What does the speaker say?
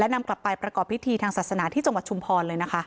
นำกลับไปประกอบพิธีทางศาสนาที่จังหวัดชุมพรเลยนะคะ